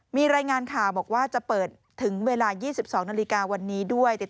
มีรายงานข่าวบอกว่าจะเปิดถึงเวลา๒๒นาฬิกาวันนี้ด้วย